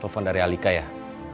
telepon dari alika yah